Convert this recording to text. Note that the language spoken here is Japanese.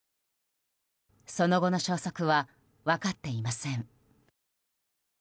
その後の消息は分かっていません。